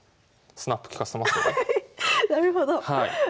なるほど。